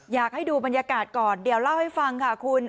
อยากให้ดูบรรยากาศก่อนเดี๋ยวเล่าให้ฟังค่ะคุณ